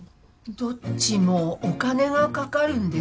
どっちもお金がかかるんでしょ？